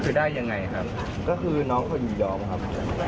คือได้ยังไงครับก็คือน้องเขายินยอมครับ